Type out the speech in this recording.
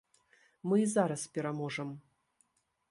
Мы і зараз пераможам!